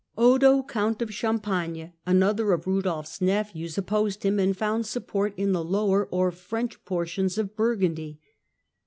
Odo, Count of Champagne, another of Rudolfs nephews, opposed him, and found support in the lower or French portions of Burgundy.